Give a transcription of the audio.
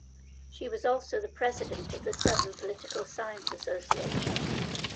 She was also the President of the Southern Political Science Association.